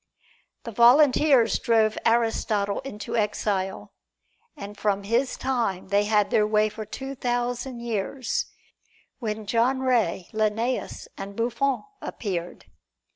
The volunteers drove Aristotle into exile, and from his time they had their way for two thousand years, when John Ray, Linnæus and Buffon appeared.